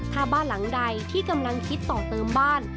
ถ้าบ้านหลังใดที่กำลังคิดต่อเติมบ้าน